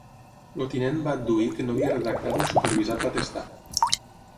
El tinent va adduir que no havia redactat ni supervisat l’atestat.